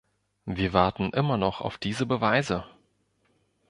Wir warten immer noch auf diese Beweise!